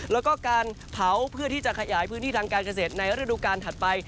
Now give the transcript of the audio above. แล้วก็การเผาเพื่อที่จะขยายพื้นที่ทางการเกษตรในฤดูการถัดไป